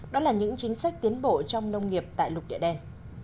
đó là những chính sách tiến bộ trong nông nghiệp tại lục địa đen